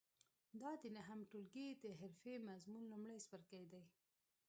دا د نهم ټولګي د حرفې مضمون لومړی څپرکی دی.